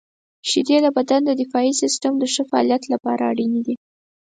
• شیدې د بدن د دفاعي سیستم د ښه فعالیت لپاره اړینې دي.